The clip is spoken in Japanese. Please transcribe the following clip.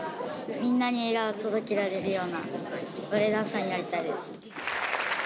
みんなに笑顔を届けられるような、バレエダンサーになりたいです。